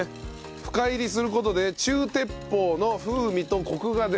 深煎りする事で中鉄砲の風味とコクが出るという。